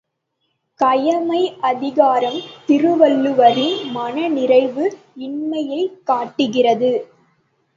கயமை அதிகாரம் திருவள்ளுவரின் மனநிறைவு இன்மையைக் காட்டுகிறது!